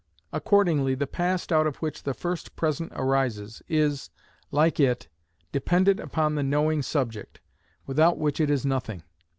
Accordingly the past out of which the first present arises, is, like it, dependent upon the knowing subject, without which it is nothing.